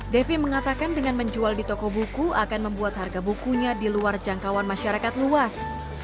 devi mengatakan dengan menjual di toko buku akan membuat harga bukunya di luar jangkauan masyarakat luas